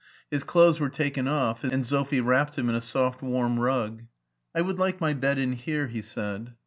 His clotiiies were taken off, and Sophie wrapped him in a soft warm rug. " I would like my bed in here,'* he said.